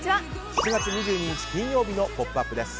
７月２２日、金曜日の「ポップＵＰ！」です。